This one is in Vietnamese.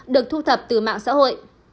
được thu thập từ mạng xã hội